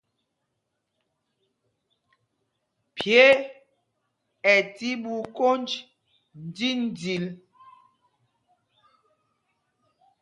Pye ɛ tí ɓu kwōnj ndīndil.